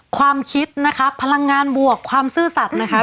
ความคิดนะคะพลังงานบวกความซื่อสัตว์นะคะ